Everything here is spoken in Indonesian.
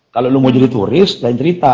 kalau lo mau jadi turis lain cerita